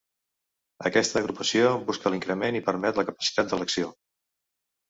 Aquesta agrupació busca l'increment i permetre la capacitat d'elecció.